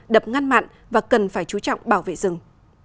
đập ngăn mặn và cần phải chú trọng bảo vệ rừng